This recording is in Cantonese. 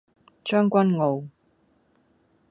將軍澳